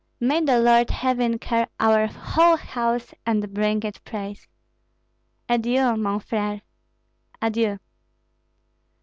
"May the Lord have in care our whole house and bring it praise." "Adieu, mon frère." "Adieu."